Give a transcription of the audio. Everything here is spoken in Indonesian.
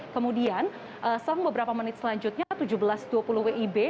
kemudian selang beberapa menit selanjutnya tujuh belas dua puluh wib